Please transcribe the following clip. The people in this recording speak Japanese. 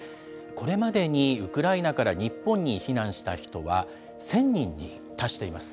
これまでにウクライナから日本に避難した人は１０００人に達しています。